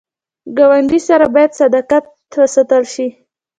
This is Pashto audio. ګاونډي سره باید صداقت وساتل شي